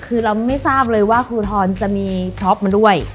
คือเราไม่ทราบเลยว่าครูทรจะมีพล็อปมาด้วย